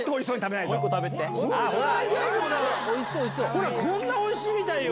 こんなおいしいみたいよ。